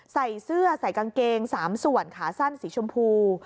ใส่เสื้อใส่กางเกง๓ส่วนขาสั้นสีชมพู